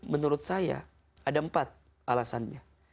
menurut saya ada empat alasannya